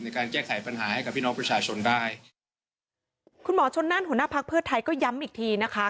ในการแก้ไขปัญหาให้กับพี่น้องประชาชนได้คุณหมอชนนั่นหัวหน้าพักเพื่อไทยก็ย้ำอีกทีนะคะ